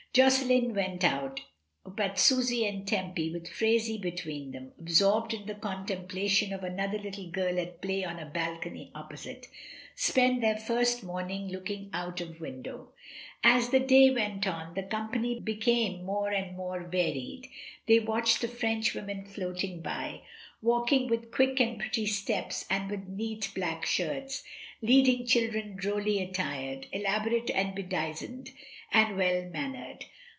Josselin went out, but Susy and Tempy, with Phraisie between them (ab sorbed in the contemplation of another little girl at play on a balcony opposite), spent their first morn ing looking out of window. As the day went on the company became more and more varied; they watched the Frenchwomen floating by, walking with quick and pretty steps and with neat black skirts, leading children droUy attired, elaborate and be dizened, and well mannered.